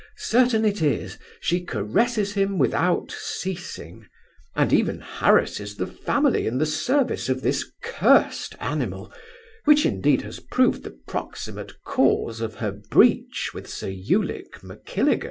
Certain it is, she caresses him without ceasing; and even harasses the family in the service of this cursed animal, which, indeed, has proved the proximate cause of her breach with Sir Ulic Mackilligut.